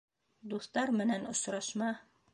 Дуҫтар менән осрашма...